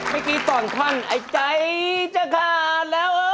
เมื่อกี้ตอนคลั่งไอ้ใจจะขาดแล้ว